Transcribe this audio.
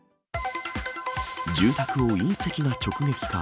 住宅を隕石が直撃か。